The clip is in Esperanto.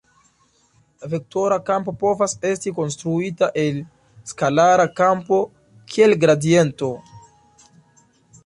Vektora kampo povas esti konstruita el skalara kampo kiel gradiento.